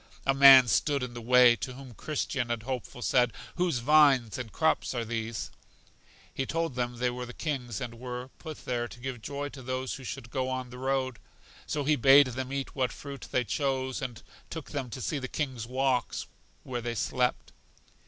A man stood in the way, to whom Christian and Hopeful said: Whose vines and crops are these? He told them they were the king's and were put there to give joy to those who should go on the road. So he bade them eat what fruit they chose, and took them to see the king's walks; where they slept.